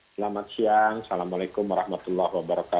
selamat siang assalamualaikum wr wb